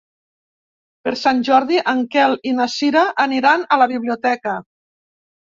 Per Sant Jordi en Quer i na Cira aniran a la biblioteca.